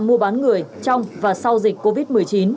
mua bán người trong và sau dịch covid một mươi chín